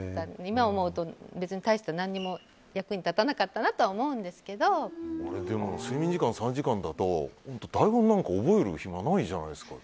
今思うと別に対して何も役に立たなかったなとは睡眠時間３時間だと台本なんか覚えるひまないじゃないですか。